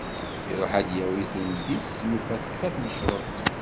Iruḥ ad d-yawi tunt-is, yufa tekfa tmecreṭ.